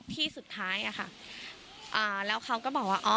ที่สุดท้ายอะค่ะแล้วเขาก็บอกว่าอ๋อ